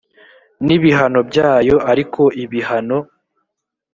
n ibihano byayo ariko ibihano